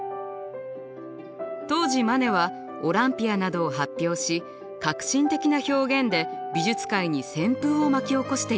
当時マネは「オランピア」などを発表し革新的な表現で美術界に旋風を巻き起こしていました。